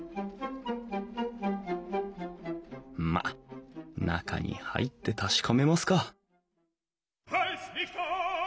まっ中に入って確かめますか